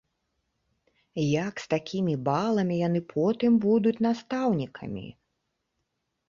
Як з такімі баламі яны потым будуць настаўнікамі?